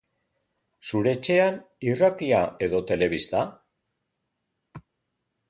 Zure etxean, irratia edo telebista?